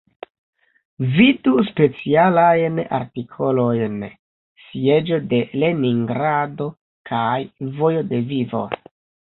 Vidu specialajn artikolojn: Sieĝo de Leningrado kaj Vojo de Vivo.